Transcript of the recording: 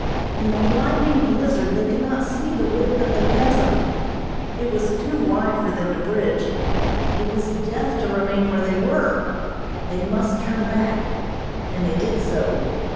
In the blinding blizzard they could not see the width of the chasm. It was too wide for them to bridge; it was death to remain where they were they must turn back, and they did so.